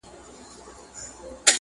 خو درد د ذهن له ژورو نه وځي هېڅکله,